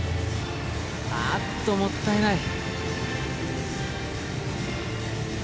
あっともったいない。